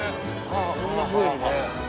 こんなふうにね。